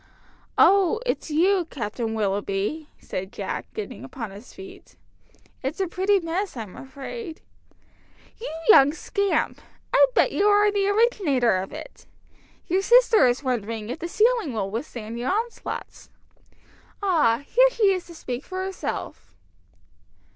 "Oh it's you, Captain Willoughby," said Jack, getting upon his feet. "It's a pretty mess, I'm afraid." "You young scamp! I bet you are the originator of it! Your sister is wondering if the ceiling will withstand your onslaughts. Ah, here she is to speak for herself."